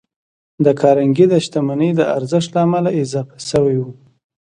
د کارنګي د شتمنۍ د ارزښت له امله اضافه شوي وو.